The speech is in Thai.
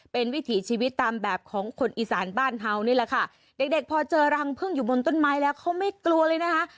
เป็นวิถีชีวิตตามแบบของคนอีสานบ้านเฮานี่แหละค่ะเด็กเด็กพอเจอรังพึ่งอยู่บนต้นไม้แล้วเขาไม่กลัวเลยนะคะ